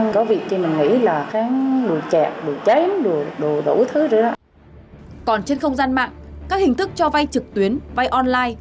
còn trên không gian mạng các hình thức cho vay trực tuyến vay online